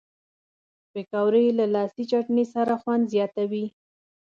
پکورې له لاسي چټني سره خوند زیاتوي